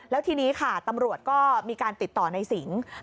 และที่นี้ตำรวจก็มีการติดต่อในสิงสมบูรณ์